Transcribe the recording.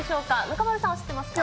中丸さんは知ってますか。